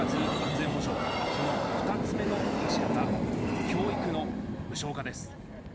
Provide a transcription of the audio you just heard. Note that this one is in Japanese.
その２つ目の柱が、教育の無償化です。